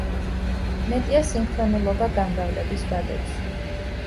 მეტია სინქრონულობა გამრავლების ვადებში.